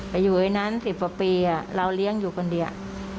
อยู่ไอ้นั้น๑๐กว่าปีเราเลี้ยงอยู่คนเดียว